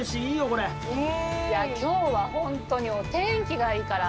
今日は本当にお天気がいいから。